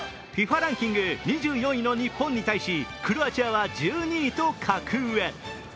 ランキング２４位の日本に対し、クロアチアは１２位と格上。